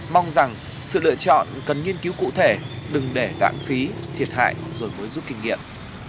mong rằng sự lựa chọn cần nghiên cứu cụ thể đừng để lãng phí thiệt hại rồi mới rút kinh nghiệm